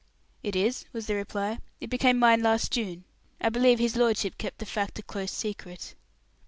"It is," was the reply. "It became mine last June. I believe his lordship kept the fact a close secret."